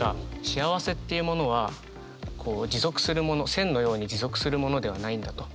幸せっていうものはこう持続するもの線のように持続するものではないんだと。